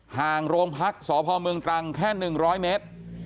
ห่างโรงพักษ์สพกรังแค่๑๐๐เมตร